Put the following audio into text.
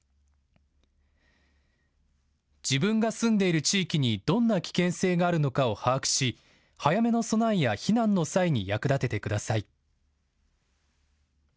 自分が住んでいる地域にどんな危険性があるのかを把握し早めの備えや避難の際に役立ててください。